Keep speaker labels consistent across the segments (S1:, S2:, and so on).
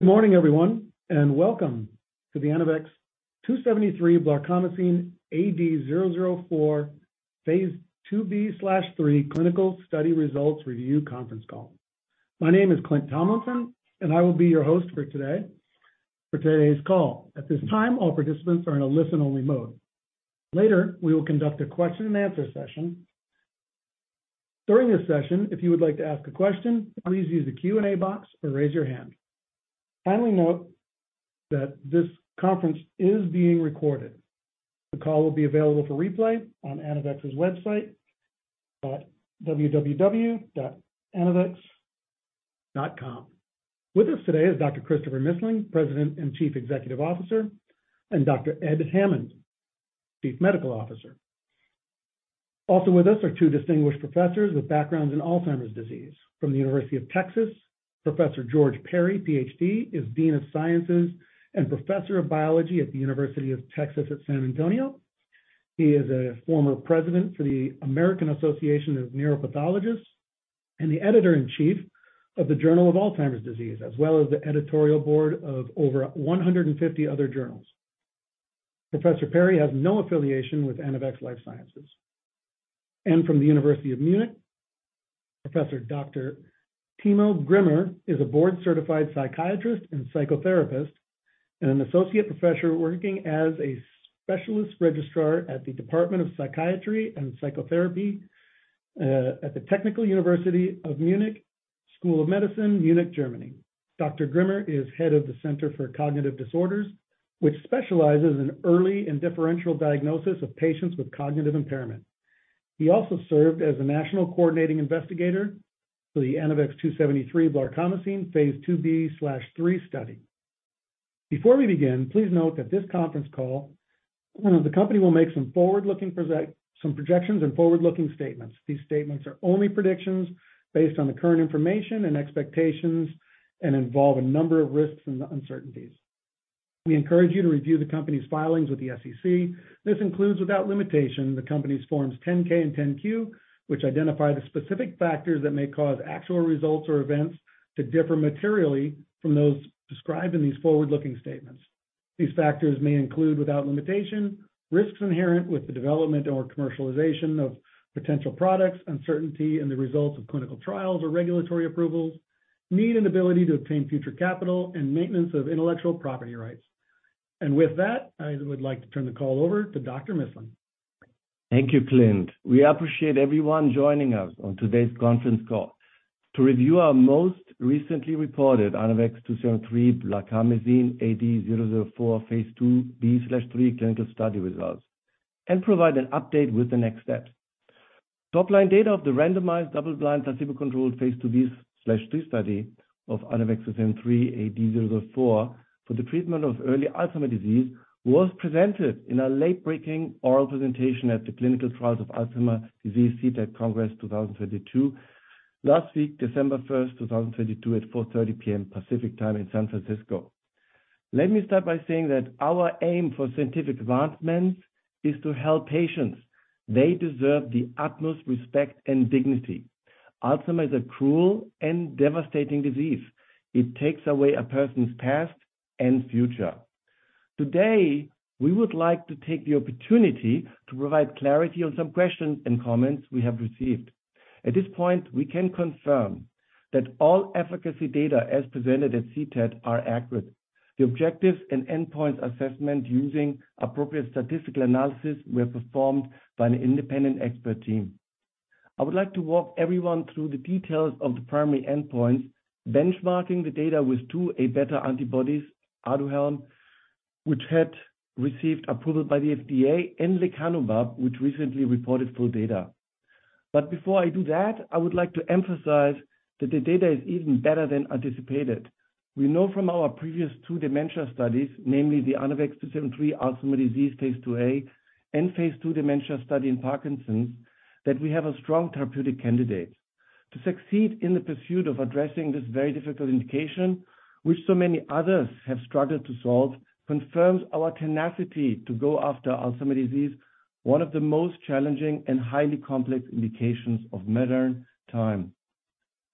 S1: Good morning, everyone. Welcome to the Anavex 2-73 blarcamesine AD-004 phase 2b/3 clinical study results review conference call. My name is Clint Tomlinson. I will be your host for today's call. At this time, all participants are in a listen-only mode. Later, we will conduct a question and answer session. During this session, if you would like to ask a question, please use the Q&A box or raise your hand. Finally, note that this conference is being recorded. The call will be available for replay on Anavex's website at www.anavex.com. With us today is Dr. Christopher Missling, President and Chief Executive Officer, and Dr. Ed Hammond, Chief Medical Officer. Also with us are two distinguished professors with backgrounds in Alzheimer's disease. From the University of Texas, Professor George Perry, PhD, is Dean of Sciences and Professor of Biology at the University of Texas at San Antonio. He is a former president for the American Association of Neuropathologists and the editor-in-chief of the Journal of Alzheimer's Disease, as well as the editorial board of over 150 other journals. Professor Perry has no affiliation with Anavex Life Sciences. From the Technical University of Munich, Professor Dr. Timo Grimmer is a board-certified psychiatrist and psychotherapist and an associate professor working as a specialist registrar at the Department of Psychiatry and Psychotherapy at the Technical University of Munich School of Medicine, Munich, Germany. Dr. Grimmer is head of the Center for Cognitive Disorders, which specializes in early and differential diagnosis of patients with cognitive impairment. He also served as a national coordinating investigator for the Anavex 2-73 blarcamesine phase 2b/3 study. Before we begin, please note that this conference call, the company will make some forward-looking projections and forward-looking statements. These statements are only predictions based on the current information and expectations and involve a number of risks and uncertainties. We encourage you to review the company's filings with the SEC. This includes, without limitation, the company's Form 10-K and Form 10-Q, which identify the specific factors that may cause actual results or events to differ materially from those described in these forward-looking statements. These factors may include, without limitation, risks inherent with the development or commercialization of potential products, uncertainty in the results of clinical trials or regulatory approvals, need and ability to obtain future capital, and maintenance of intellectual property rights. With that, I would like to turn the call over to Dr. Missling.
S2: Thank you, Clint. We appreciate everyone joining us on today's conference call to review our most recently reported Anavex 2-73 blarcamesine AD0004 phase 2b/3 clinical study results and provide an update with the next steps. Top-line data of the randomized double-blind placebo-controlled phase 2b/3 study of Anavex 2-73-AD-004 for the treatment of early Alzheimer's disease was presented in a late-breaking oral presentation at the Clinical Trials on Alzheimer's Disease CTAD Congress 2022 last week, December 1, 2022, at 4:30 P.M. Pacific Time in San Francisco. Let me start by saying that our aim for scientific advancements is to help patients. They deserve the utmost respect and dignity. Alzheimer's is a cruel and devastating disease. It takes away a person's past and future. Today, we would like to take the opportunity to provide clarity on some questions and comments we have received. At this point, we can confirm that all efficacy data as presented at CTAD are accurate. The objectives and endpoints assessment using appropriate statistical analysis were performed by an independent expert team. I would like to walk everyone through the details of the primary endpoints, benchmarking the data with 2 Aβ antibodies, Aduhelm, which had received approval by the FDA, and lecanemab, which recently reported full data. Before I do that, I would like to emphasize that the data is even better than anticipated. We know from our previous 2 dementia studies, namely the Anavex 2-73 Alzheimer's disease phase 2a and phase 2 dementia study in Parkinson's, that we have a strong therapeutic candidate. To succeed in the pursuit of addressing this very difficult indication, which so many others have struggled to solve, confirms our tenacity to go after Alzheimer's disease, one of the most challenging and highly complex indications of modern time.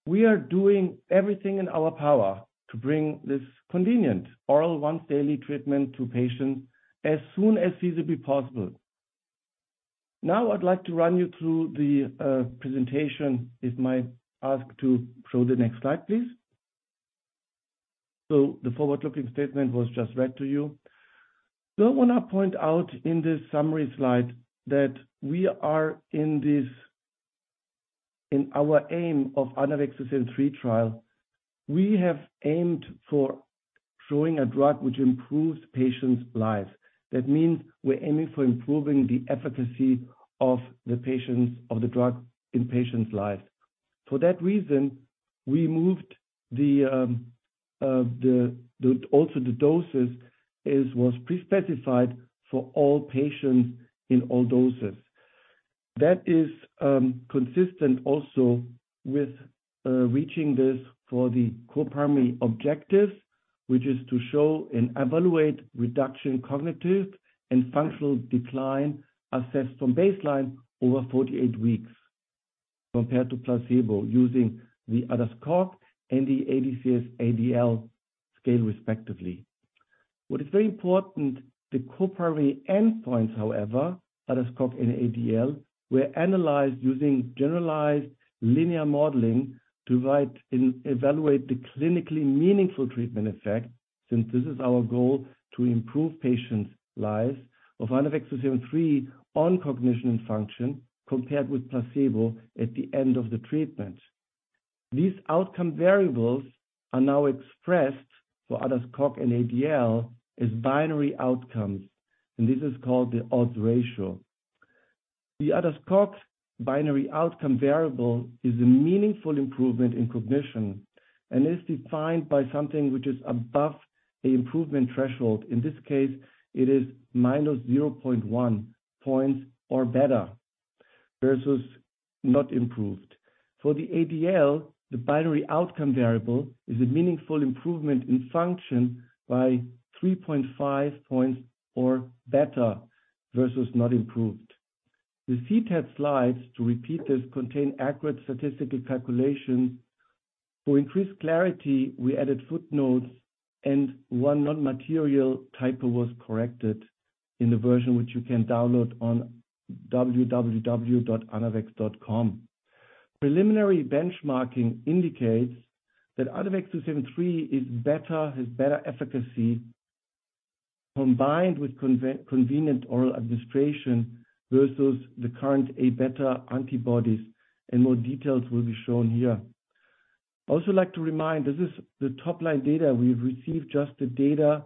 S2: We are doing everything in our power to bring this convenient oral once daily treatment to patients as soon as feasibly possible. I'd like to run you through the presentation. If I might ask to show the next slide, please. The forward-looking statement was just read to you. I wanna point out in this summary slide that we are in our aim of Anavex 2-73 trial, we have aimed for showing a drug which improves patients' lives. That means we're aiming for improving the efficacy of the drug in patients' lives. For that reason, we moved the also the doses was pre-specified for all patients in all doses. That is consistent also with reaching this for the co-primary objective, which is to show and evaluate reduction in cognitive and functional decline assessed from baseline over 48 weeks. Compared to placebo using the ADAS-Cog and the ADCS-ADL scale respectively. What is very important, the co-primary endpoints, however, ADAS-Cog and ADL, were analyzed using generalized linear modeling to write and evaluate the clinically meaningful treatment effect, since this is our goal to improve patients' lives of Anavex 2-73 on cognition and function compared with placebo at the end of the treatment. These outcome variables are now expressed for ADAS-Cog and ADL as binary outcomes, and this is called the odds ratio. The ADAS-Cog binary outcome variable is a meaningful improvement in cognition and is defined by something which is above the improvement threshold. In this case, it is minus 0.1 points or better, versus not improved. For the ADL, the binary outcome variable is a meaningful improvement in function by 3.5 points or better versus not improved. The CTAD slides, to repeat this, contain accurate statistical calculations. For increased clarity, we added footnotes and one non-material typo was corrected in the version which you can download on www.anavex.com. Preliminary benchmarking indicates that Anavex 2-73 is better, has better efficacy combined with convenient oral administration versus the current Aβ antibodies. More details will be shown here. I also like to remind this is the top-line data. We've received just the data,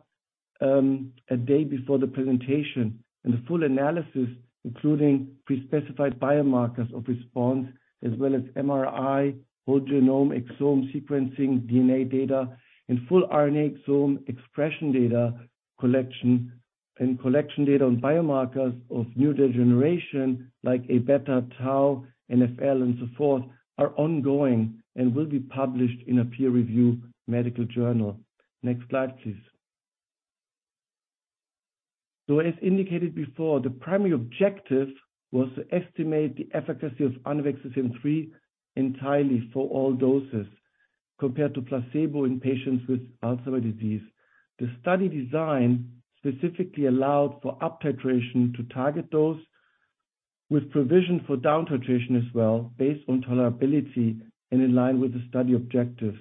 S2: a day before the presentation and the full analysis, including pre-specified biomarkers of response as well as MRI, whole genome exome sequencing, DNA data and full RNA exome expression data collection and collection data on biomarkers of neurodegeneration like Aβ tau, NFL and so forth, are ongoing and will be published in a peer-review medical journal. Next slide, please. As indicated before, the primary objective was to estimate the efficacy of Anavex 2-73 entirely for all doses compared to placebo in patients with Alzheimer's disease. The study design specifically allowed for up-titration to target those with provision for down-titration as well based on tolerability and in line with the study objectives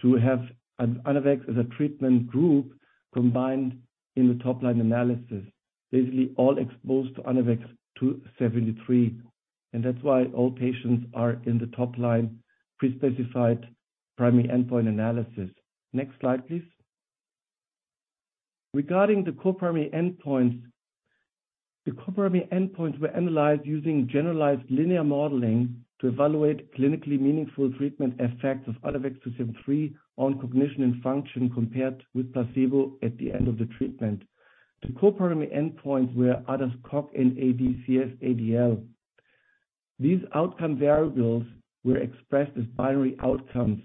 S2: to have Anavex as a treatment group combined in the top-line analysis, basically all exposed to Anavex 2-73. That's why all patients are in the top line pre-specified primary endpoint analysis. Next slide, please. Regarding the co-primary endpoints, the co-primary endpoints were analyzed using generalized linear modeling to evaluate clinically meaningful treatment effects of Anavex 2-73 on cognition and function compared with placebo at the end of the treatment. The co-primary endpoints were ADAS-Cog and ADCS-ADL. These outcome variables were expressed as binary outcomes.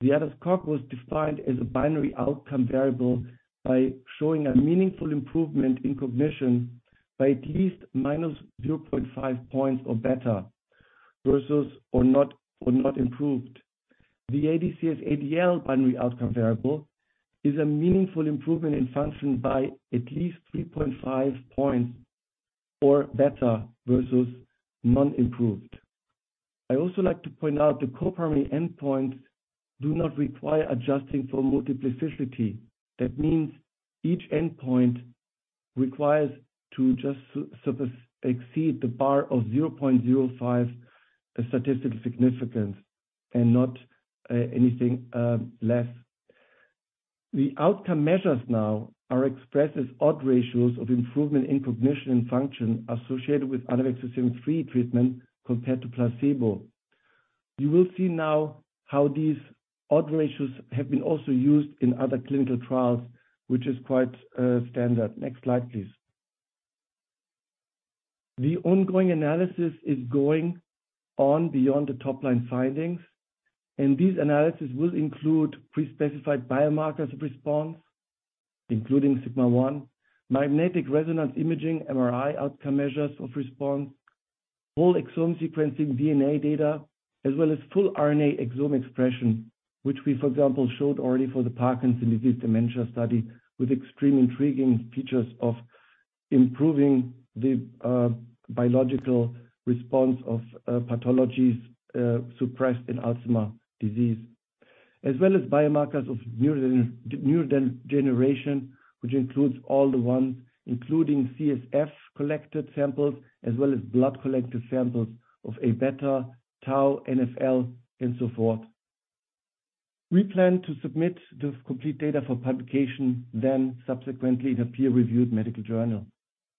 S2: The ADAS-Cog was defined as a binary outcome variable by showing a meaningful improvement in cognition by at least minus 0.5 points or better versus or not, or not improved. The ADCS-ADL binary outcome variable is a meaningful improvement in function by at least 3.5 points or better versus non-improved. I also like to point out the co-primary endpoints do not require adjusting for multiplicity. That means each endpoint requires to just surpass, exceed the bar of 0.05 statistical significance and not anything less. The outcome measures now are expressed as odds ratios of improvement in cognition and function associated with Anavex 2-73 treatment compared to placebo. You will see now how these odds ratios have been also used in other clinical trials, which is quite standard. Next slide, please. The ongoing analysis is going on beyond the top line findings. These analysis will include pre-specified biomarkers of response, including Sigma-1, magnetic resonance imaging, MRI, outcome measures of response, whole exome sequencing, DNA data, as well as full RNA exome expression, which we, for example, showed already for the Parkinson's disease dementia study with extreme intriguing features of improving the biological response of pathologies suppressed in Alzheimer's disease. As well as biomarkers of neurodegeneration, which includes all the ones including CSF collected samples as well as blood collected samples of Aβ, Tau, NFL and so forth. We plan to submit the complete data for publication subsequently in a peer-reviewed medical journal.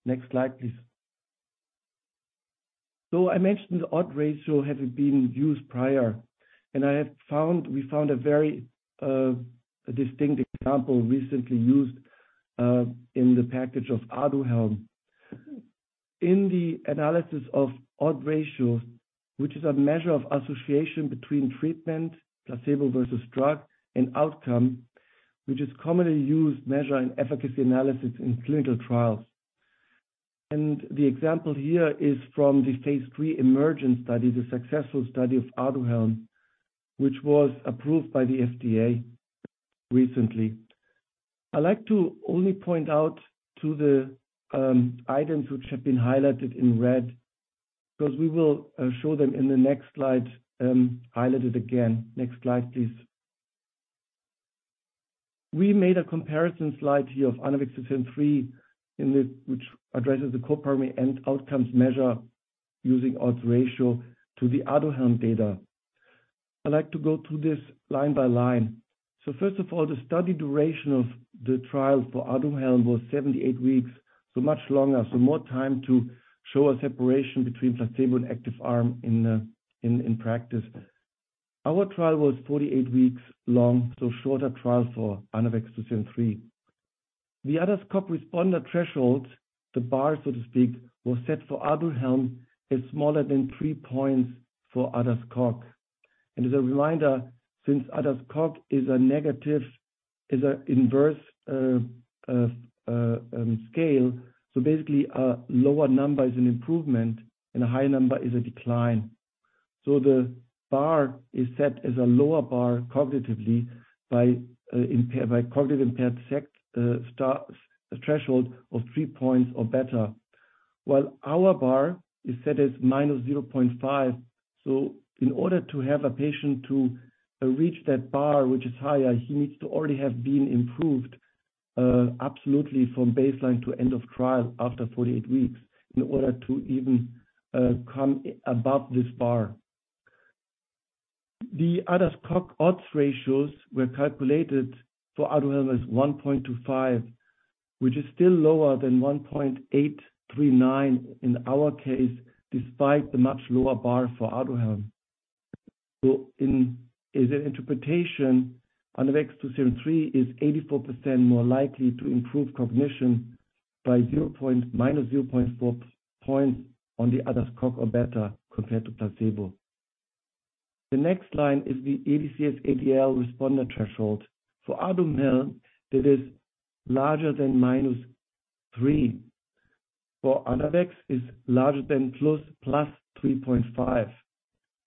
S2: Next slide, please. I mentioned the odds ratio hasn't been used prior, and I have found, we found a very distinct example recently used in the package of Aduhelm. In the analysis of odds ratio, which is a measure of association between treatment, placebo versus drug and outcome, which is commonly used measure in efficacy analysis in clinical trials. The example here is from the phase 3 EMERGE study, the successful study of Aduhelm, which was approved by the FDA recently. I'd like to only point out to the items which have been highlighted in red, we will show them in the next slide, highlighted again. Next slide, please. We made a comparison slide here of Anavex 203 in which addresses the co-primary end outcomes measure using odds ratio to the Aduhelm data. I'd like to go through this line by line. First of all, the study duration of the trial for Aduhelm was 78 weeks, much longer. More time to show a separation between placebo and active arm in practice. Our trial was 48 weeks long, shorter trial for Anavex 2-73. The ADAS-Cog responder threshold, the bar, so to speak, was set for Aduhelm, is smaller than 3 points for ADAS-Cog. As a reminder, since ADAS-Cog is an inverse scale, basically a lower number is an improvement and a higher number is a decline. The bar is set as a lower bar cognitively by cognitive impaired threshold of 3 points or better. While our bar is set as -0.5. In order to have a patient to reach that bar, which is higher, he needs to already have been improved absolutely from baseline to end of trial after 48 weeks in order to even come above this bar. The ADAS-Cog odds ratios were calculated for Aduhelm as 1.25, which is still lower than 1.839 in our case, despite the much lower bar for Aduhelm. In its interpretation, Anavex 203 is 84% more likely to improve cognition by -0.4 points on the ADAS-Cog or better compared to placebo. The next line is the ADCS-ADL responder threshold. For Aduhelm, it is larger than -3. For Anavex, is larger than close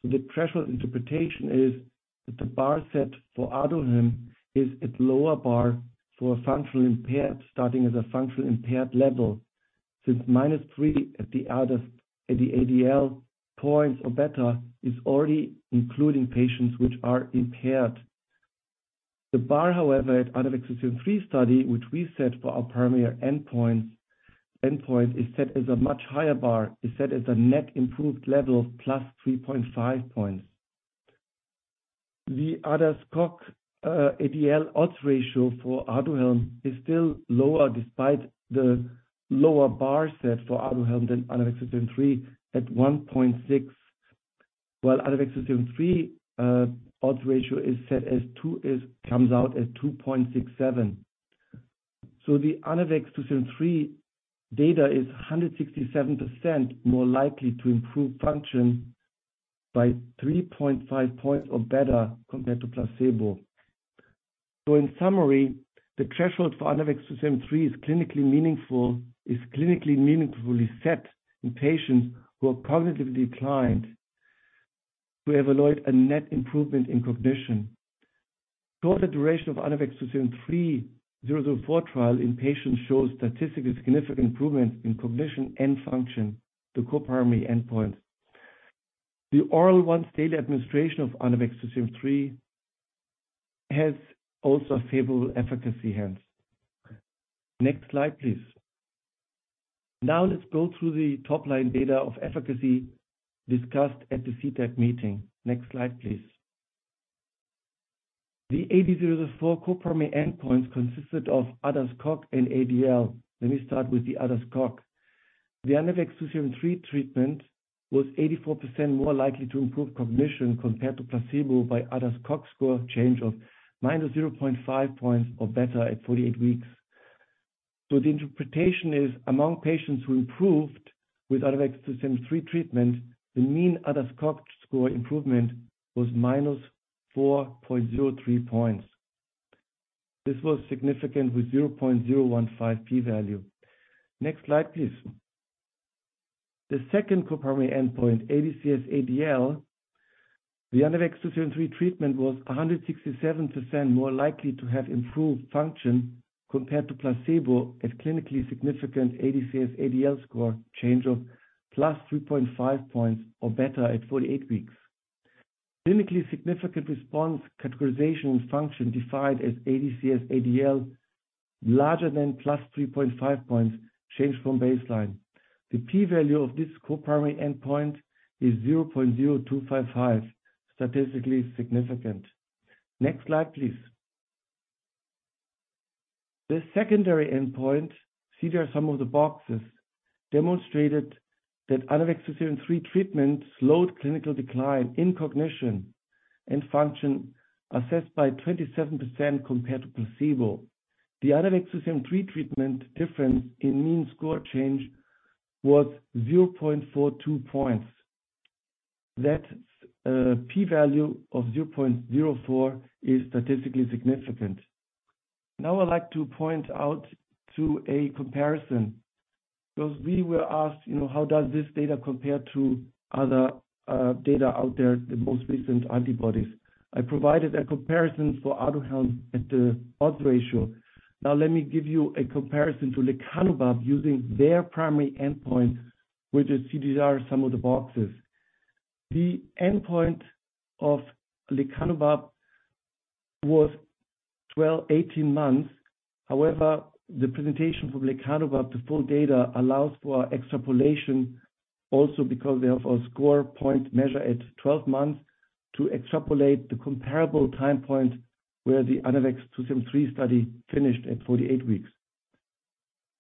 S2: +3.5. The threshold interpretation is that the bar set for Aduhelm is at lower bar for a functionally impaired, starting as a functionally impaired level. Since -3 at the ADL points or better, is already including patients which are impaired. The bar, however, at Anavex 203 study, which we set for our primary endpoints, is set as a much higher bar, is set as a net improved level of +3.5 points. The ADAS-Cog, ADL odds ratio for Aduhelm is still lower despite the lower bar set for Aduhelm than Anavex 203 at 1.6, while Anavex 203 odds ratio comes out as 2.67. The Anavex 203 data is 167% more likely to improve function by 3.5 points or better compared to placebo. In summary, the threshold for Anavex 203 is clinically meaningfully set in patients who are cognitively declined. We have allowed a net improvement in cognition. Shorter duration of Anavex 2-73-AD-004 trial in patients shows statistically significant improvement in cognition and function, the co-primary endpoint. The oral once daily administration of Anavex 203 has also favorable efficacy hence. Next slide, please. Let's go through the top line data of efficacy discussed at the CTAD meeting. Next slide, please. The AD0004 co-primary endpoints consisted of ADAS-Cog and ADL. Let me start with the ADAS-Cog. The Anavex 203 treatment was 84% more likely to improve cognition compared to placebo by ADAS-Cog score change of -0.5 points or better at 48 weeks. The interpretation is among patients who improved with Anavex 203 treatment, the mean ADAS-Cog score improvement was -4.03 points. This was significant with 0.015 P value. Next slide, please. The second co-primary endpoint, ADCS-ADL, the Anavex 203 treatment was 167% more likely to have improved function compared to placebo at clinically significant ADCS-ADL score change of +3.5 points or better at 48 weeks. Clinically significant response categorization function defined as ADCS-ADL larger than +3.5 points change from baseline. The p-value of this co-primary endpoint is 0.0255, statistically significant. Next slide, please. The secondary endpoint, see there some of the boxes, demonstrated that Anavex 203 treatment slowed clinical decline in cognition and function assessed by 27% compared to placebo. The Anavex 203 treatment difference in mean score change was 0.42 points. The p-value of 0.04 is statistically significant. I'd like to point out to a comparison, because we were asked, you know, how does this data compare to other data out there, the most recent antibodies? I provided a comparison for Aduhelm at the odds ratio. Let me give you a comparison to lecanemab using their primary endpoint, which you see there some of the boxes. The endpoint of lecanemab was 12, 18 months. The presentation from lecanemab, the full data allows for extrapolation also because they have a score point measure at 12 months to extrapolate the comparable time point where the Anavex 2-73 study finished at 48 weeks.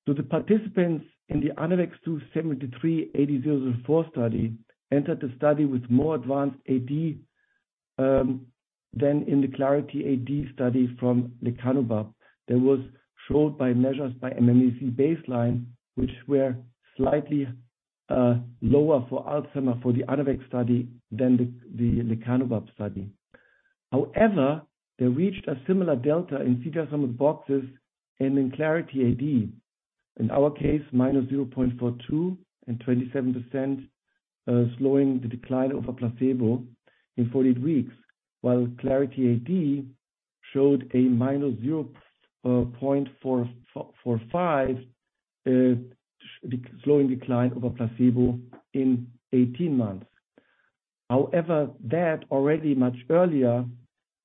S2: Do the participants in the Anavex 2-73-AD-004 study entered the study with more advanced AD than in the Clarity AD study from lecanemab that was showed by measures by MMSE baseline, which were slightly lower for Alzheimer for the Anavex study than the lecanemab study. However, they reached a similar delta in CDR Sum of Boxes and in Clarity AD. In our case, -0.42 and 27% slowing the decline over placebo in 48 weeks, while Clarity AD showed a -0.45 slowing decline over placebo in 18 months. However, that already much earlier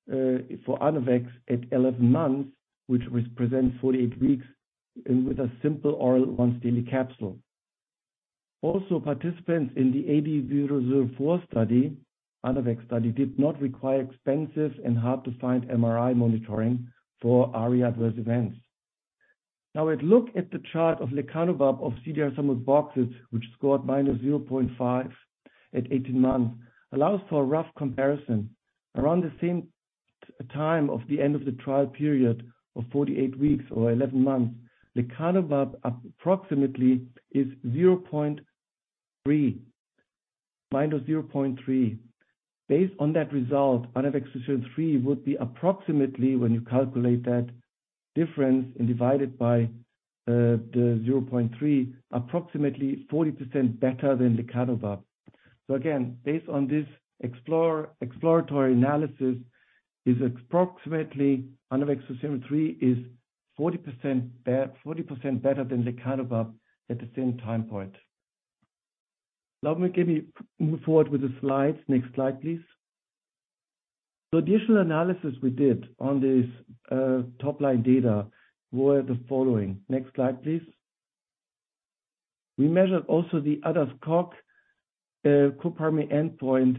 S2: for Anavex at 11 months, which represents 48 weeks, and with a simple oral once daily capsule. Participants in the AD0004 study, Anavex study, did not require expensive and hard to find MRI monitoring for ARIA adverse events. A look at the chart of lecanemab of CDR-SB, which scored -0.5 at 18 months, allows for a rough comparison. Around the same time of the end of the trial period of 48 weeks or 11 months, lecanemab approximately is -0.3. Based on that result, Anavex 2-73 would be approximately, when you calculate that difference and divide it by the 0.3, approximately 40% better than lecanemab. Again, based on this exploratory analysis, is approximately Anavex 2-73 is 40% better than lecanemab at the same time point. Let me move forward with the slides. Next slide, please. Additional analysis we did on this top line data were the following. Next slide, please. We measured also the ADAS-Cog co-primary endpoint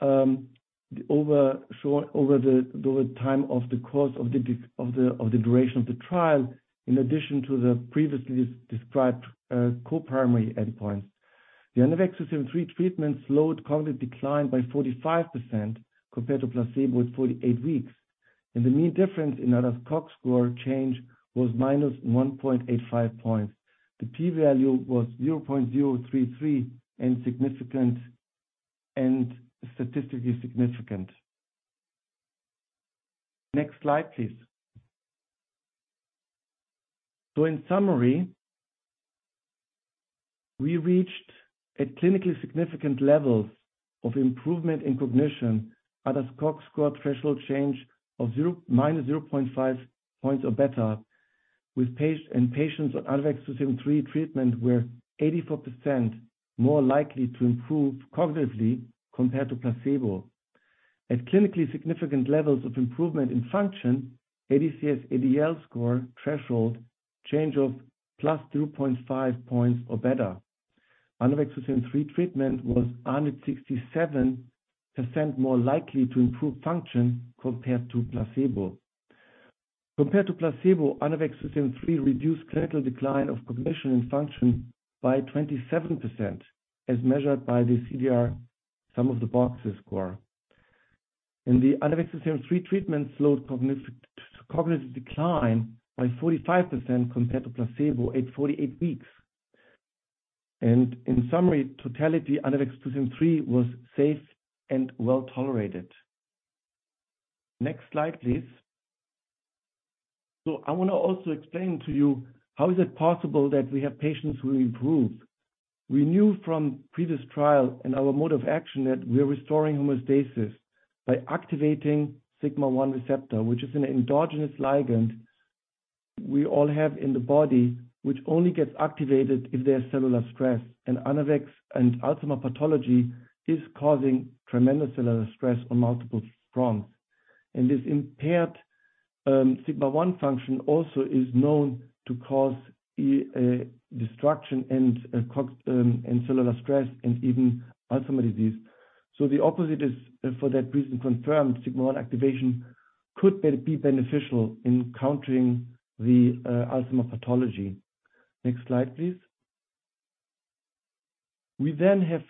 S2: over the time of the course of the duration of the trial, in addition to the previously described co-primary endpoint. The Anavex 2-73 treatment slowed cognitive decline by 45% compared to placebo at 48 weeks. The mean difference in ADAS-Cog score change was minus 1.85 points. The p-value was 0.033 and statistically significant. Next slide, please. In summary, we reached at clinically significant levels of improvement in cognition, ADAS-Cog score threshold change of -0.5 points or better with in patients on Anavex 2-73 treatment were 84% more likely to improve cognitively compared to placebo. At clinically significant levels of improvement in function, ADCS-ADL score threshold change of +2.5 points or better. Anavex 2-73 treatment was 167% more likely to improve function compared to placebo. Compared to placebo, Anavex 2-73 reduced clinical decline of cognition and function by 27% as measured by the CDR-SB score. The Anavex 2-73 treatment slowed cognitive decline by 45% compared to placebo at 48 weeks. In summary, totality Anavex 2-73 was safe and well-tolerated. Next slide, please. I wanna also explain to you how is it possible that we have patients who improve. We knew from previous trial and our mode of action that we are restoring homeostasis by activating sigma-1 receptor, which is an endogenous ligand we all have in the body, which only gets activated if there are cellular stress. Anavex and Alzheimer pathology is causing tremendous cellular stress on multiple fronts. This impaired sigma-1 function also is known to cause destruction and cellular stress and even Alzheimer's disease. The opposite is, for that reason, confirmed sigma-1 activation could be beneficial in countering the Alzheimer pathology. Next slide, please. We have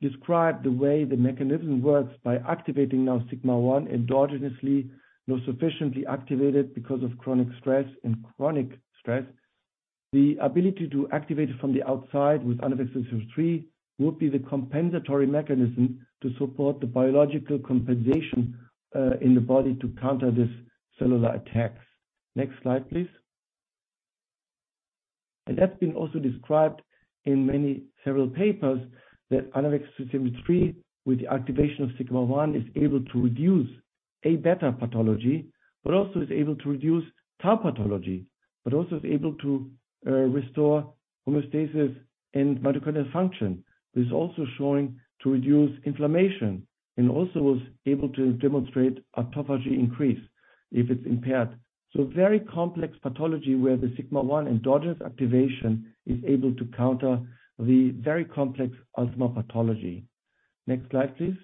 S2: described the way the mechanism works by activating now sigma-1 endogenously, not sufficiently activated because of chronic stress. Chronic stress. The ability to activate from the outside with Anavex 203 would be the compensatory mechanism to support the biological compensation in the body to counter this cellular attacks. Next slide, please. That's been also described in many several papers that Anavex 203, with the activation of Sigma-1, is able to reduce Aβ pathology, but also is able to reduce Tau pathology, but also is able to restore homeostasis and mitochondrial function. It is also showing to reduce inflammation, and also was able to demonstrate autophagy increase if it's impaired. Very complex pathology where the Sigma-1 endogenous activation is able to counter the very complex Alzheimer's pathology. Next slide, please.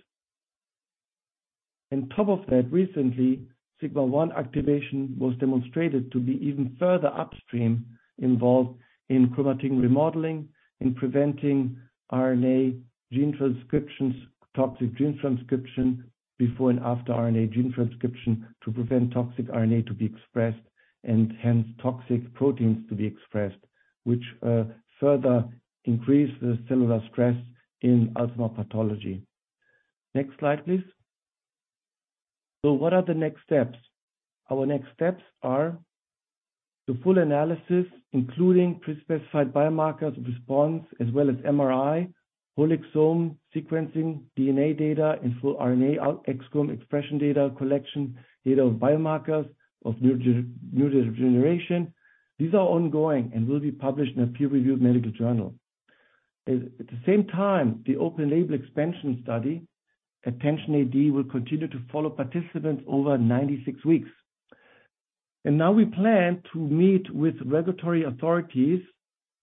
S2: On top of that, recently, sigma-1 activation was demonstrated to be even further upstream involved in chromatin remodeling, in preventing RNA gene transcriptions, toxic gene transcription before and after RNA gene transcription to prevent toxic RNA to be expressed and hence toxic proteins to be expressed, which further increase the cellular stress in asthma pathology. Next slide, please. What are the next steps? Our next steps are the full analysis, including pre-specified biomarkers response, as well as MRI, whole exome sequencing, DNA data, and full RNA exome expression data collection, data of biomarkers of neurodegeneration. These are ongoing and will be published in a peer-reviewed medical journal. At the same time, the open-label expansion study, ATTENTION-AD, will continue to follow participants over 96 weeks. Now we plan to meet with regulatory authorities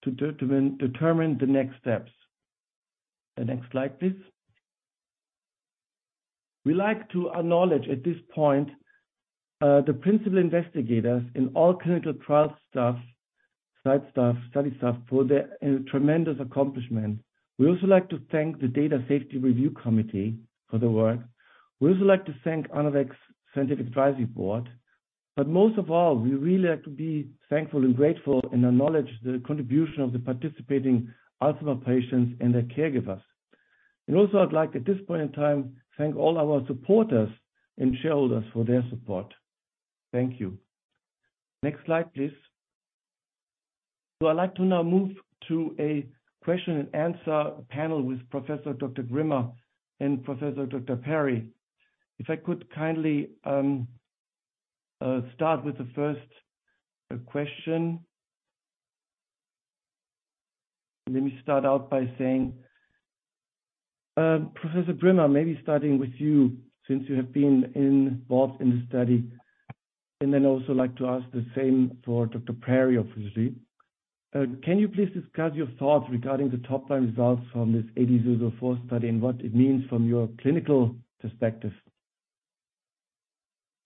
S2: to determine the next steps. The next slide, please. We like to acknowledge at this point, the principal investigators and all clinical trial staff, site staff, study staff for their tremendous accomplishment. We also like to thank the Data Safety Review Committee for their work. We also like to thank Anavex Scientific Advisory Board. Most of all, we really like to be thankful and grateful and acknowledge the contribution of the participating asthma patients and their caregivers. Also, I'd like, at this point in time, thank all our supporters and shareholders for their support. Thank you. Next slide, please. I'd like to now move to a question and answer panel with Professor Dr. Grimmer and Professor Dr. Perry. If I could kindly start with the first question. Let me start out by saying, Professor Grimmer, maybe starting with you since you have been involved in the study. Then I'd also like to ask the same for Dr. Perry, obviously. Can you please discuss your thoughts regarding the top-line results from this AD0004 study and what it means from your clinical perspective?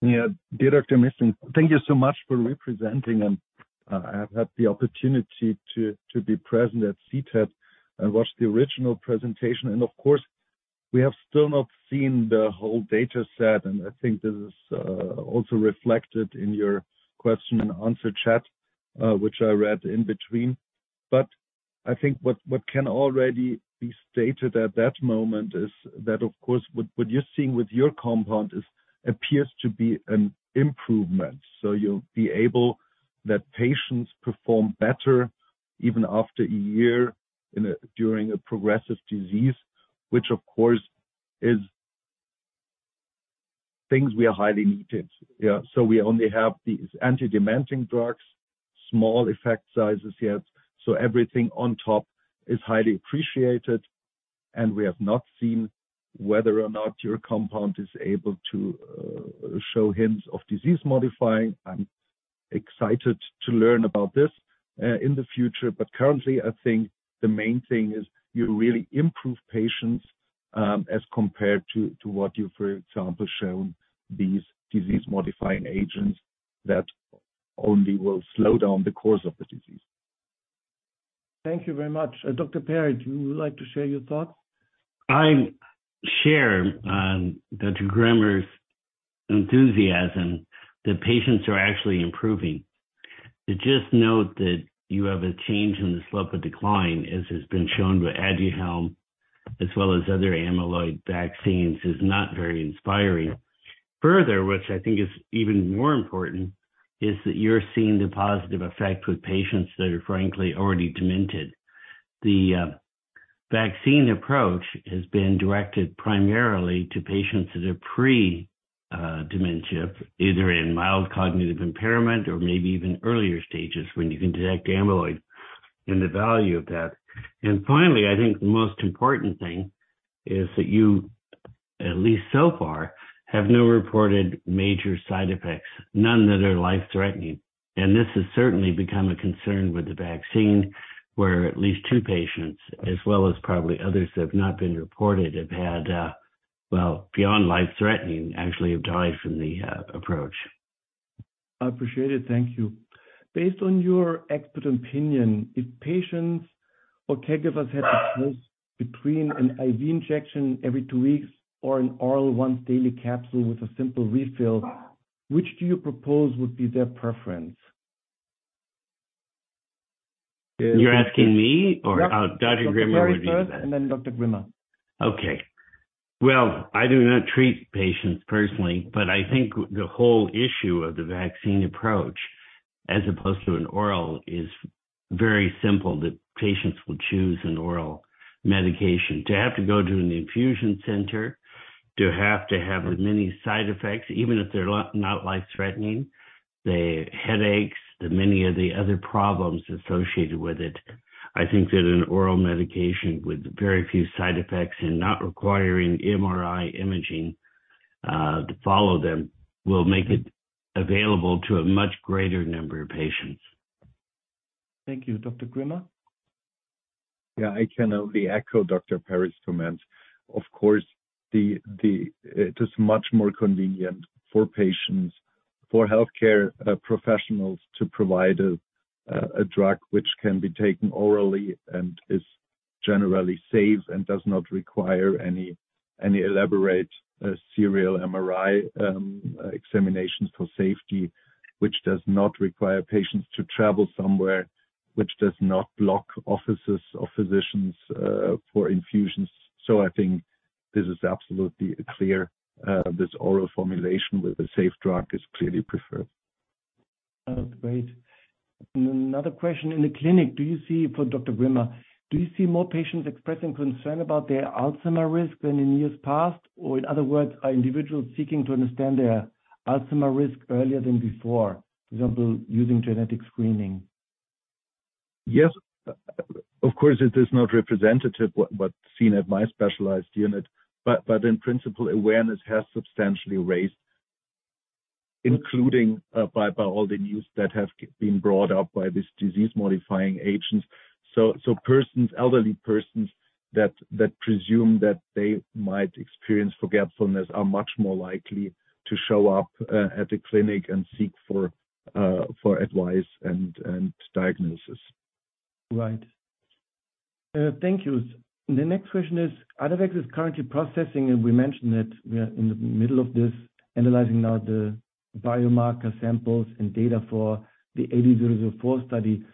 S3: Christopher Missling, thank you so much for representing. I've had the opportunity to be present at CTAD and watch the original presentation. Of course, we have still not seen the whole data set, and I think this is also reflected in your question and answer chat, which I read in between. I think what can already be stated at that moment is that, of course, what you're seeing with your compound is appears to be an improvement. You'll be able that patients perform better even after a year during a progressive disease, which of course is things we are highly needed. We only have these anti-dementing drugs, small effect sizes yet, everything on top is highly appreciated. We have not seen whether or not your compound is able to show hints of disease-modifying. I'm excited to learn about this in the future. Currently, I think the main thing is you really improve patients as compared to what you've, for example, shown these disease-modifying agents that only will slow down the course of the disease.
S2: Thank you very much. Dr. Perry, would you like to share your thoughts?
S4: I share, Dr. Grimmer's enthusiasm that patients are actually improving. To just note that you have a change in the slope of decline, as has been shown with Aduhelm, as well as other amyloid vaccines, is not very inspiring. Further, which I think is even more important, is that you're seeing the positive effect with patients that are frankly already demented. The vaccine approach has been directed primarily to patients that are pre-dementia, either in mild cognitive impairment or maybe even earlier stages when you can detect amyloid and the value of that. Finally, I think the most important thing is that you, at least so far, have no reported major side effects, none that are life-threatening. This has certainly become a concern with the vaccine, where at least two patients, as well as probably others that have not been reported, have had, well, beyond life-threatening, actually have died from the approach.
S2: I appreciate it. Thank you. Based on your expert opinion, if patients or caregivers had to choose between an IV injection every two weeks or an oral once daily capsule with a simple refill, which do you propose would be their preference?
S4: You're asking me?
S2: Yep.
S4: Oh, Dr. Grimmer would be best.
S2: Dr. Perry first, and then Dr. Grimmer.
S4: Okay. Well, I do not treat patients personally, but I think the whole issue of the vaccine approach as opposed to an oral is very simple, that patients will choose an oral medication. To have to go to an infusion center, to have to have as many side effects, even if they're not life-threatening, the headaches, the many of the other problems associated with it. I think that an oral medication with very few side effects and not requiring MRI imaging, to follow them will make it available to a much greater number of patients.
S2: Thank you. Dr. Grimmer.
S3: Yeah, I can only echo Dr. Perry's comments. Of course, it is much more convenient for patients, for healthcare professionals to provide a drug which can be taken orally and is generally safe and does not require any elaborate serial MRI examinations for safety, which does not require patients to travel somewhere, which does not block offices of physicians for infusions. I think this is absolutely clear, this oral formulation with a safe drug is clearly preferred.
S2: Oh, great. Another question. In the clinic, for Dr. Grimmer. Do you see more patients expressing concern about their Alzheimer's risk than in years past? In other words, are individuals seeking to understand their Alzheimer's risk earlier than before, for example, using genetic screening?
S3: Yes. Of course, it is not representative what's seen at my specialized unit, but in principle, awareness has substantially raised, including by all the news that have been brought up by these disease-modifying agents. Persons, elderly persons that presume that they might experience forgetfulness are much more likely to show up at the clinic and seek for advice and diagnosis.
S2: Right. Thank you. The next question is, Aduhelm is currently processing. We mentioned that we are in the middle of this, analyzing now the biomarker samples and data for the AD-004 study.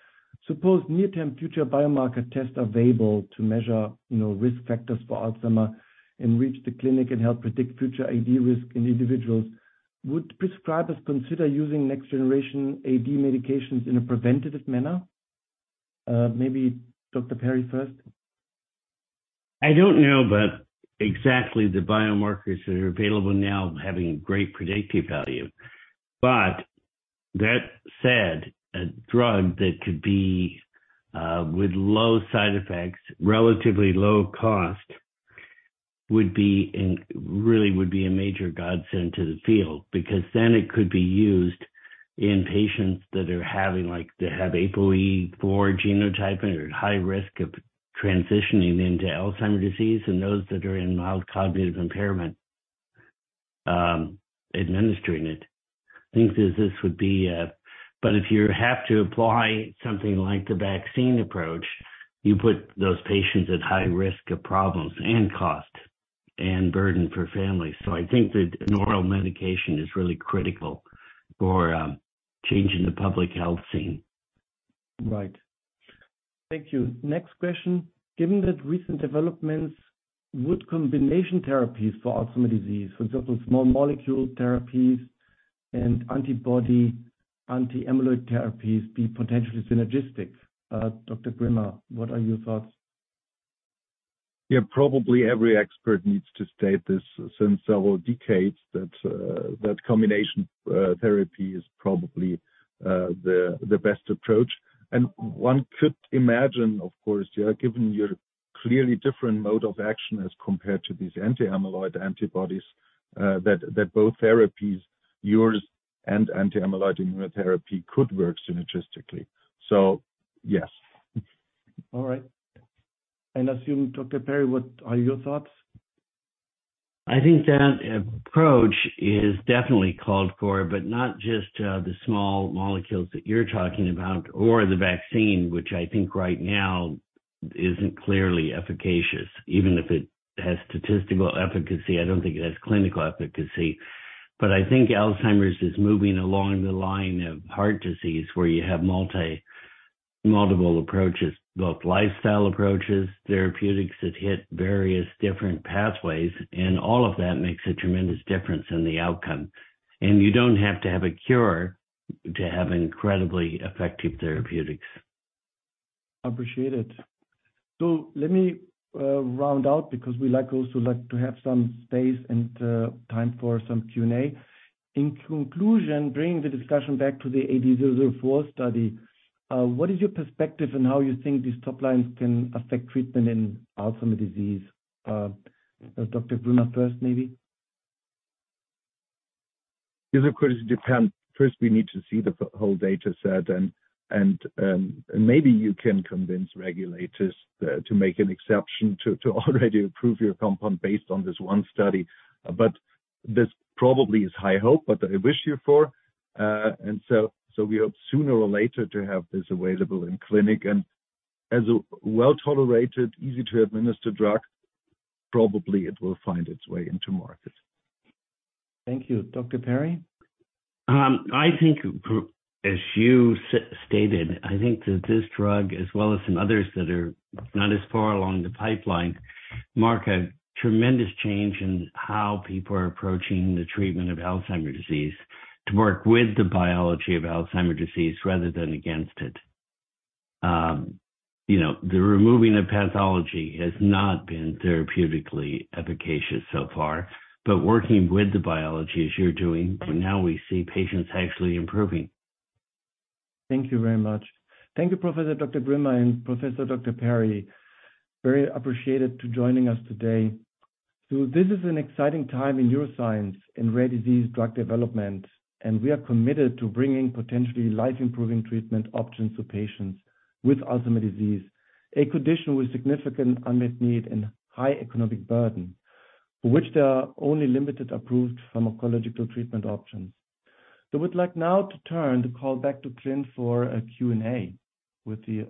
S2: Suppose near-term future biomarker tests are available to measure, you know, risk factors for Alzheimer's and reach the clinic and help predict future AD risk in individuals. Would prescribers consider using next generation AD medications in a preventative manner? Maybe Dr. Perry first.
S4: I don't know about exactly the biomarkers that are available now having great predictive value. That said, a drug that could be, with low side effects, relatively low cost, really would be a major godsend to the field, because then it could be used in patients that are having, like they have APOE4 genotype and are at high risk of transitioning into Alzheimer's disease and those that are in mild cognitive impairment, administering it. I think that this would be. If you have to apply something like the vaccine approach, you put those patients at high risk of problems and cost and burden for families. I think that an oral medication is really critical for changing the public health scene.
S2: Right. Thank you. Next question. Given the recent developments, would combination therapies for Alzheimer's disease, for example, small molecule therapies and antibody anti-amyloid therapies, be potentially synergistic? Dr. Grimmer, what are your thoughts?
S3: Yeah. Probably every expert needs to state this since several decades that combination therapy is probably the best approach. One could imagine, of course, yeah, given your clearly different mode of action as compared to these anti-amyloid antibodies, that both therapies, yours and anti-amyloid immunotherapy, could work synergistically. Yes.
S2: All right. Assuming, Dr. Perry, what are your thoughts?
S4: I think that approach is definitely called for, but not just, the small molecules that you're talking about or the vaccine, which I think right now isn't clearly efficacious. Even if it has statistical efficacy, I don't think it has clinical efficacy. But I think Alzheimer's is moving along the line of heart disease, where you have multiple approaches, both lifestyle approaches, therapeutics that hit various different pathways, and all of that makes a tremendous difference in the outcome. And you don't have to have a cure to have incredibly effective therapeutics.
S2: Appreciate it. Let me round out because we also like to have some space and time for some Q&A. In conclusion, bringing the discussion back to the AD-004 study, what is your perspective on how you think these top lines can affect treatment in Alzheimer's disease? Dr. Grimmer first, maybe.
S3: This of course depends. First, we need to see the whole data set and, maybe you can convince regulators, to make an exception to already approve your compound based on this one study.
S2: This probably is high hope, but I wish you for, we hope sooner or later to have this available in clinic. As a well-tolerated, easy to administer drug, probably it will find its way into market. Thank you. Dr. Perry?
S4: I think as you stated, I think that this drug, as well as some others that are not as far along the pipeline, mark a tremendous change in how people are approaching the treatment of Alzheimer's disease to work with the biology of Alzheimer's disease rather than against it. You know, the removing of pathology has not been therapeutically efficacious so far, but working with the biology as you're doing, now we see patients actually improving.
S2: Thank you very much. Thank you, Professor Dr. Grimmer and Professor Dr. Perry, very appreciated to joining us today. This is an exciting time in neuroscience in rare disease drug development, and we are committed to bringing potentially life-improving treatment options to patients with Alzheimer's disease, a condition with significant unmet need and high economic burden, for which there are only limited approved pharmacological treatment options. We'd like now to turn the call back to Clint for a Q&A with the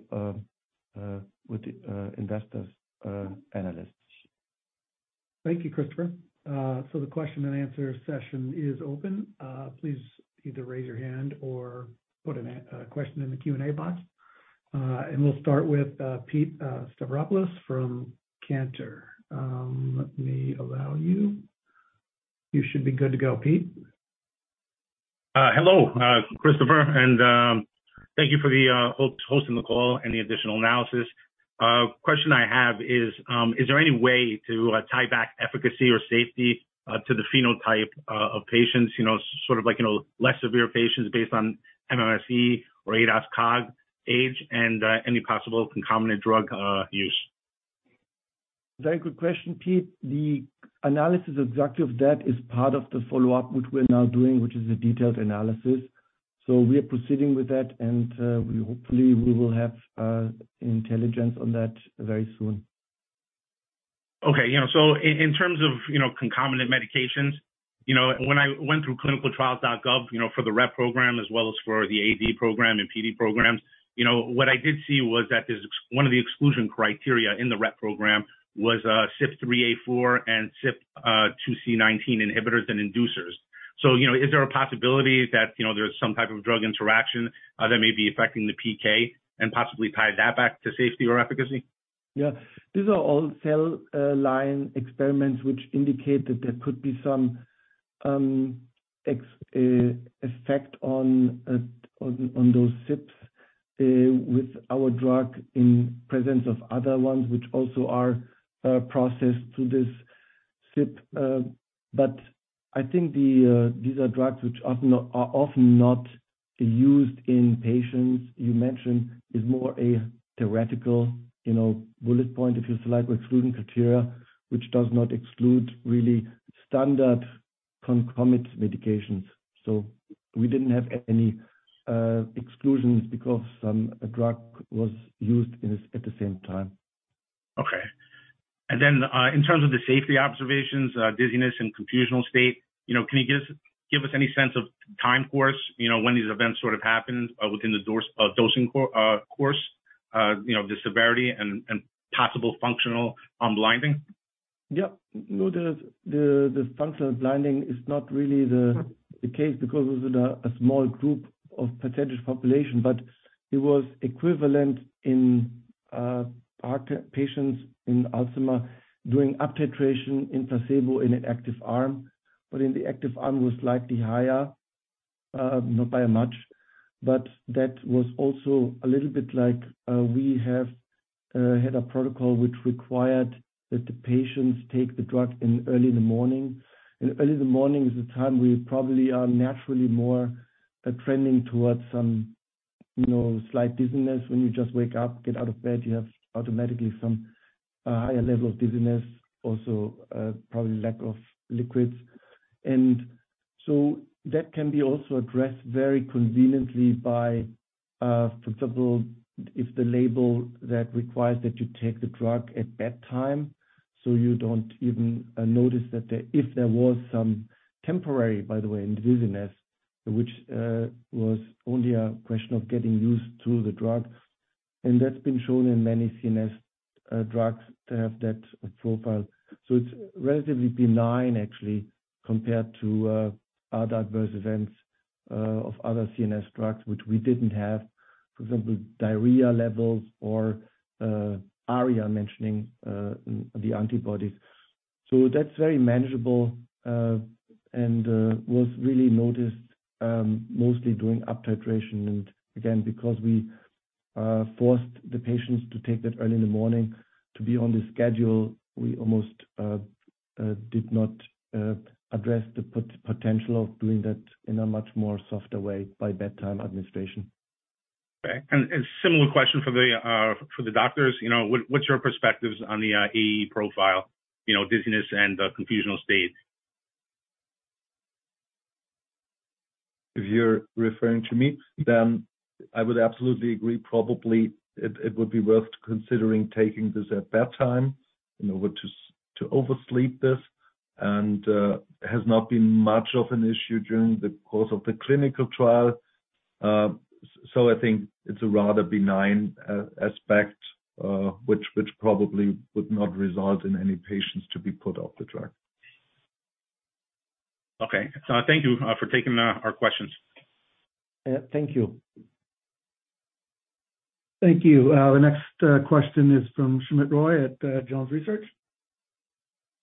S2: investors, analysts.
S1: Thank you, Christopher. The question and answer session is open. Please either raise your hand or put a question in the Q&A box. We'll start with Pete Stavropoulos from Cantor. Let me allow you. You should be good to go, Pete.
S5: Hello, Christopher, and thank you for the hosting the call and the additional analysis. Question I have is there any way to tie back efficacy or safety to the phenotype of patients, you know, sort of like, you know, less severe patients based on MMSE or ADAS-Cog, age, and any possible concomitant drug, use?
S2: Very good question, Pete. The analysis exactly of that is part of the follow-up, which we're now doing, which is a detailed analysis. We are proceeding with that, and we hopefully will have intelligence on that very soon.
S5: Okay. You know, in terms of, you know, concomitant medications, you know, when I went through ClinicalTrials.gov, you know, for the Rett program as well as for the AD program and PD programs, you know, what I did see was that one of the exclusion criteria in the Rett program was CYP3A4 and CYP2C19 inhibitors and inducers. Is there a possibility that, you know, there's some type of drug interaction that may be affecting the PK and possibly tie that back to safety or efficacy?
S2: These are all cell line experiments which indicate that there could be some effect on those CYPs with our drug in presence of other ones which also are processed through this CYP, but I think the these are drugs which often are often not used in patients. You mentioned is more a theoretical, you know, bullet point, if you like, with exclusion criteria, which does not exclude really standard concomitant medications. We didn't have any exclusions because some drug was used at the same time.
S5: Okay. Then, in terms of the safety observations, dizziness and confusional state, you know, can you give us any sense of time course, you know, when these events sort of happened within the dose, dosing course, you know, the severity and possible functional blinding?
S2: Yeah. No, the functional blinding is not really the case because it was a small group of potential population, but it was equivalent in our patients in Alzheimer doing uptitration in placebo in an active arm. In the active arm was slightly higher, not by much, but that was also a little bit like, we have had a protocol which required that the patients take the drug in early in the morning. Early in the morning is the time we probably are naturally more trending towards some, you know, slight dizziness when you just wake up, get out of bed, you have automatically some higher level of dizziness, also, probably lack of liquids. That can be also addressed very conveniently by, for example, if the label that requires that you take the drug at bedtime, so you don't even notice. If there was some temporary dizziness, which was only a question of getting used to the drug. That's been shown in many CNS drugs to have that profile. It's relatively benign, actually, compared to other adverse events of other CNS drugs, which we didn't have, for example, diarrhea levels or ARIA mentioning the antibodies. That's very manageable and was really noticed mostly during uptitration. Again, because we forced the patients to take that early in the morning to be on the schedule, we almost did not address the potential of doing that in a much more softer way by bedtime administration.
S5: Okay. Similar question for the for the doctors. You know, what's your perspectives on the AE profile, you know, dizziness and confusional state?
S2: If you're referring to me, I would absolutely agree. Probably it would be worth considering taking this at bedtime in order to oversleep this, has not been much of an issue during the course of the clinical trial. So I think it's a rather benign aspect which probably would not result in any patients to be put off the drug.
S5: Okay. thank you, for taking our questions.
S2: Yeah, thank you.
S1: Thank you. The next question is from Soumit Roy at JonesResearch.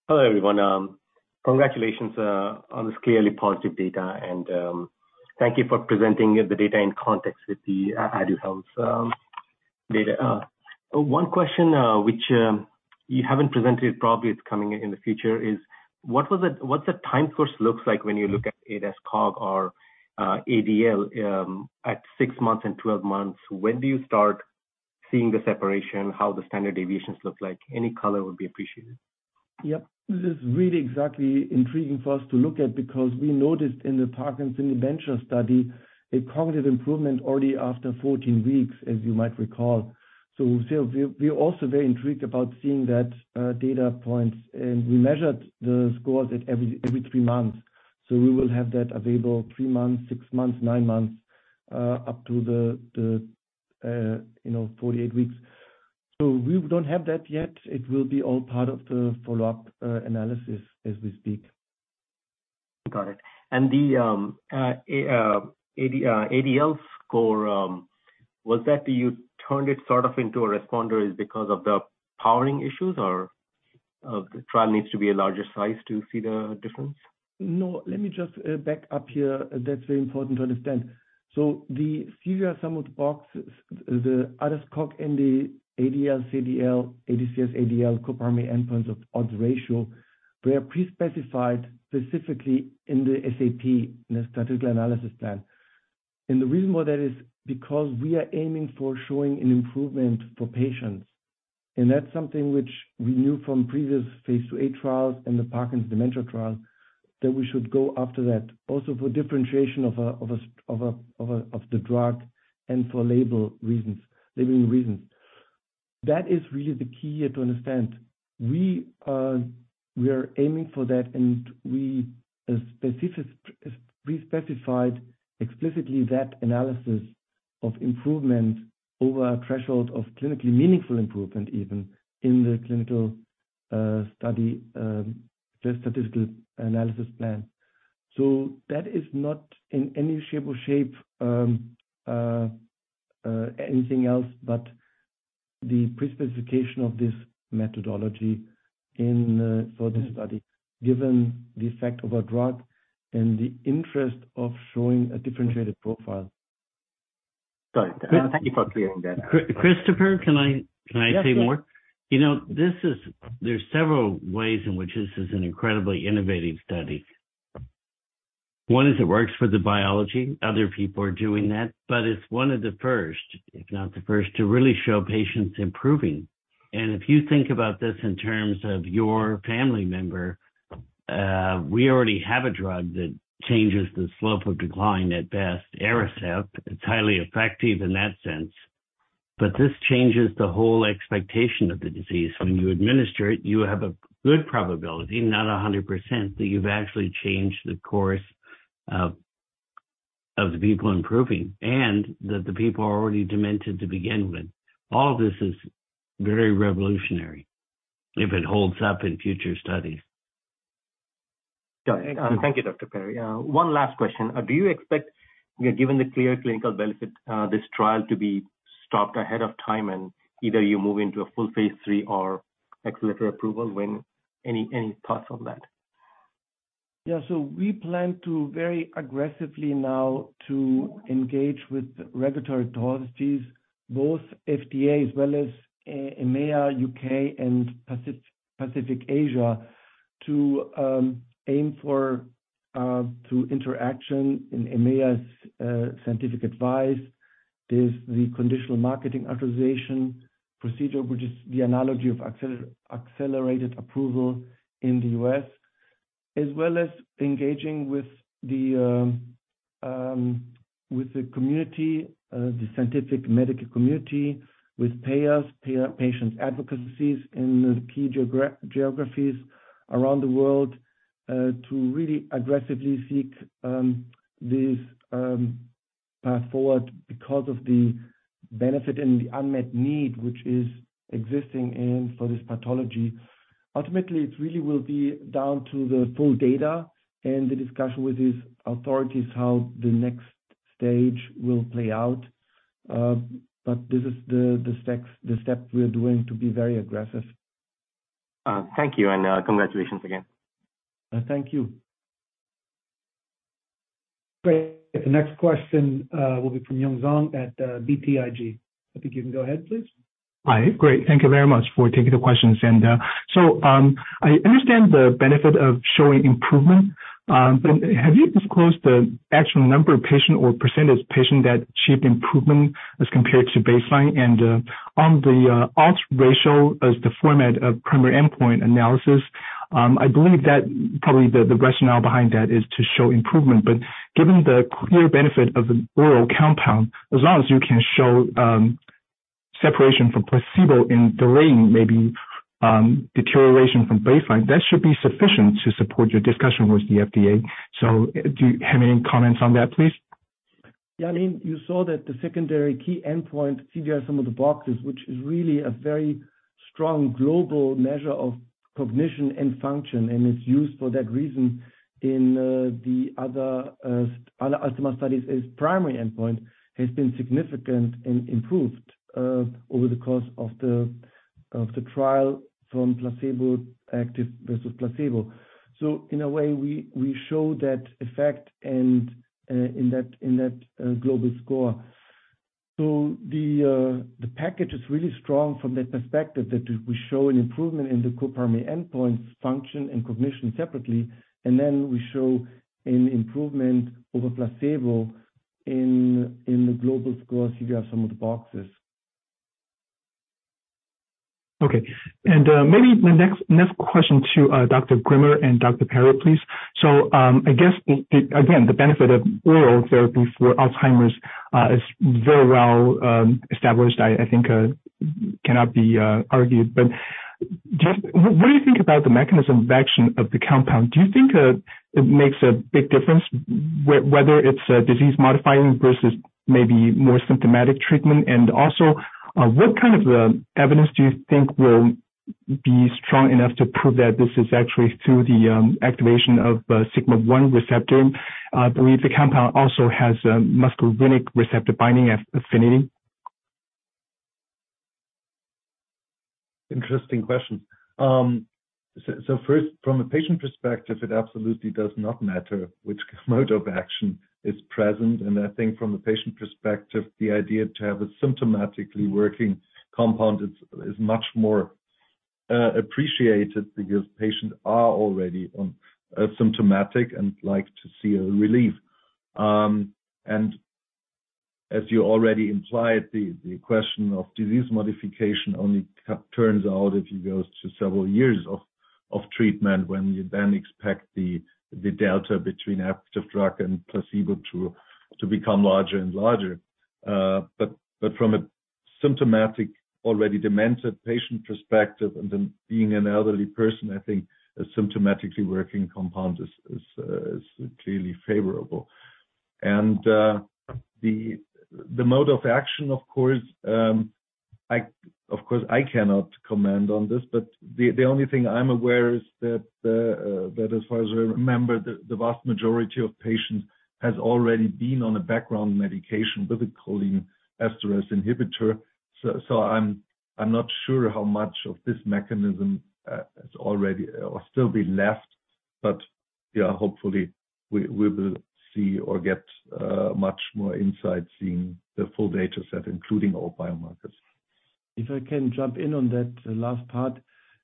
S6: Hello, everyone. Congratulations on this clearly positive data. Thank you for presenting the data in context with the Aduhelm's data. One question which you haven't presented, probably it's coming in the future, is what's the time course looks like when you look at ADAS-Cog or ADL at 6 months and 12 months? When do you start seeing the separation, how the standard deviations look like? Any color would be appreciated.
S2: Yep. This is really exactly intriguing for us to look at because we noticed in the Parkinson's dementia study a cognitive improvement already after 14 weeks, as you might recall. We're also very intrigued about seeing that data points. We measured the scores at every 3 months, so we will have that available 3 months, 6 months, 9 months, up to the, you know, 48 weeks. We don't have that yet. It will be all part of the follow-up analysis as we speak.
S6: Got it. The ADL score, was that you turned it sort of into a responder because of the powering issues or the trial needs to be a larger size to see the difference?
S2: No. Let me just back up here. That's very important to understand. The CDR-SB, the ADAS-Cog and the ADCS-ADL co-primary endpoints of odds ratio were pre-specified specifically in the SAP, in the statistical analysis plan. The reason why that is because we are aiming for showing an improvement for patients. That's something which we knew from previous phase 2a trials and the Parkinson's dementia trial that we should go after that also for differentiation of the drug and for label reasons, labeling reasons. That is really the key here to understand. We are aiming for that, and we pre-specified explicitly that analysis of improvement over a threshold of clinically meaningful improvement even in the clinical study, the statistical analysis plan. that is not in any shape or shape, anything else but the pre-specification of this methodology in, for the study, given the effect of a drug and the interest of showing a differentiated profile.
S6: Got it. Thank you for clearing that.
S4: Christopher, can I say more?
S6: Yes, please.
S4: You know, this is there's several ways in which this is an incredibly innovative study. One is it works for the biology. Other people are doing that. It's one of the first, if not the first, to really show patients improving. If you think about this in terms of your family member, we already have a drug that changes the slope of decline at best, Aricept. It's highly effective in that sense. This changes the whole expectation of the disease. When you administer it, you have a good probability, not 100%, that you've actually changed the course of the people improving and that the people are already demented to begin with. All this is very revolutionary, if it holds up in future studies.
S6: Got it. Thank you, Dr. Perry. One last question. Do you expect, given the clear clinical benefit, this trial to be stopped ahead of time and either you move into a full phase 3 or accelerated approval when? Any thoughts on that?
S2: Yeah. We plan to very aggressively now to engage with regulatory authorities, both FDA as well as EMEA, U.K. and Pacific Asia, to aim for through interaction in EMEA's scientific advice, is the conditional marketing authorization procedure, which is the analogy of accelerated approval in the U.S., as well as engaging with the community, the scientific medical community, with payers, patient advocacies in the key geographies around the world, to really aggressively seek this path forward because of the benefit and the unmet need which is existing in, for this pathology. Ultimately, it really will be down to the full data and the discussion with these authorities how the next stage will play out. This is the step we are doing to be very aggressive.
S6: Thank you, and, congratulations again.
S2: Thank you.
S1: Great. The next question, will be from Yun Zhong at, BTIG. I think you can go ahead, please.
S7: Hi. Great. Thank you very much for taking the questions. I understand the benefit of showing improvement, but have you disclosed the actual number of patient or percentage patient that showed improvement as compared to baseline? On the odds ratio as the format of primary endpoint analysis. I believe that probably the rationale behind that is to show improvement, but given the clear benefit of the oral compound, as long as you can show separation from placebo in delaying maybe deterioration from baseline, that should be sufficient to support your discussion with the FDA. Do you have any comments on that, please?
S2: Yeah, I mean, you saw that the secondary key endpoint, CDR sum of the boxes, which is really a very strong global measure of cognition and function, and it's used for that reason in the other Alzheimer's studies as primary endpoint, has been significant and improved over the course of the trial from placebo active versus placebo. In a way, we show that effect and in that, in that, global score. The package is really strong from that perspective that we show an improvement in the co-primary endpoints, function and cognition separately, and then we show an improvement over placebo in the global score CDR sum of the boxes.
S7: Okay. Maybe my next question to Dr. Grimmer and Dr. Perry, please. I guess the again, the benefit of oral therapy for Alzheimer's is very well established, I think, cannot be argued. Just what do you think about the mechanism of action of the compound? Do you think it makes a big difference whether it's a disease-modifying versus maybe more symptomatic treatment? Also, what kind of evidence do you think will be strong enough to prove that this is actually through the activation of sigma-1 receptor? I believe the compound also has a muscarinic receptor binding affinity.
S3: Interesting question. First, from a patient perspective, it absolutely does not matter which mode of action is present. I think from a patient perspective, the idea to have a symptomatically working compound is much more appreciated because patients are already symptomatic and like to see a relief. As you already implied, the question of disease modification only turns out if it goes to several years of treatment when you then expect the delta between active drug and placebo to become larger and larger. From a symptomatic, already demented patient perspective, and then being an elderly person, I think a symptomatically working compound is clearly favorable. The mode of action, of course, I cannot comment on this, but the only thing I'm aware is that as far as I remember, the vast majority of patients has already been on a background medication, butyrylcholinesterase inhibitor. I'm not sure how much of this mechanism is already or still be left. Yeah, hopefully we will see or get much more insight seeing the full data set, including all biomarkers.
S2: If I can jump in on that last part,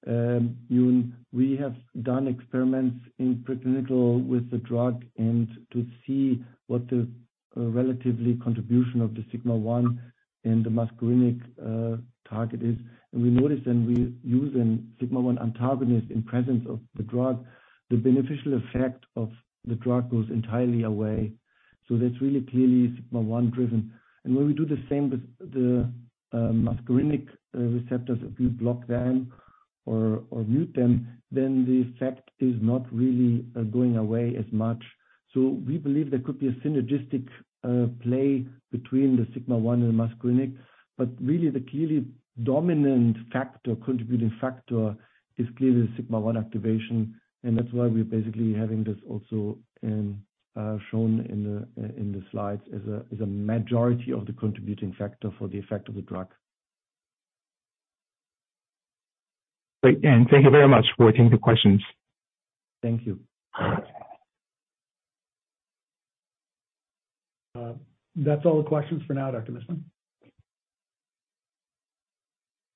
S2: Yun, we have done experiments in preclinical with the drug and to see what the relatively contribution of the sigma-1 and the muscarinic target is. We noticed when we use a sigma-1 antagonist in presence of the drug, the beneficial effect of the drug goes entirely away. That's really clearly sigma-1 driven. When we do the same with the muscarinic receptors, if we block them or mute them, then the effect is not really going away as much. We believe there could be a synergistic play between the Sigma-1 and muscarinic, really the clearly dominant factor, contributing factor is clearly the Sigma-1 activation, that's why we're basically having this also shown in the slides as a majority of the contributing factor for the effect of the drug.
S7: Great. Thank you very much for taking the questions.
S2: Thank you.
S7: All right.
S1: That's all the questions for now, Dr. Missling.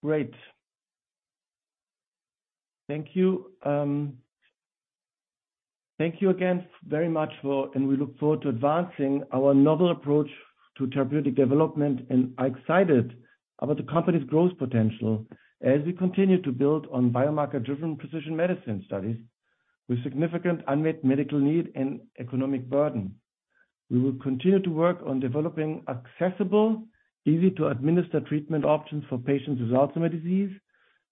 S2: Great. Thank you. Thank you again very much for... We look forward to advancing our novel approach to therapeutic development, and are excited about the company's growth potential as we continue to build on biomarker-driven precision medicine studies with significant unmet medical need and economic burden. We will continue to work on developing accessible, easy-to-administer treatment options for patients with Alzheimer's disease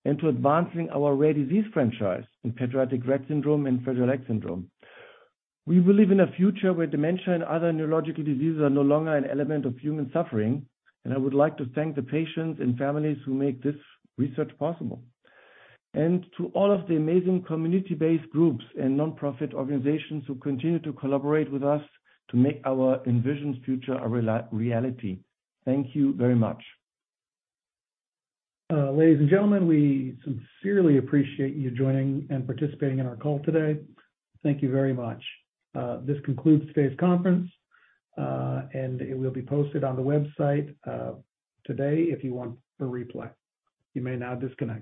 S2: and to advancing our rare disease franchise in pediatric Rett syndrome and Fragile X syndrome. We will live in a future where dementia and other neurological diseases are no longer an element of human suffering, and I would like to thank the patients and families who make this research possible. To all of the amazing community-based groups and nonprofit organizations who continue to collaborate with us to make our envisioned future a reality. Thank you very much.
S1: Ladies and gentlemen, we sincerely appreciate you joining and participating in our call today. Thank you very much. This concludes today's conference, and it will be posted on the website today if you want a replay. You may now disconnect.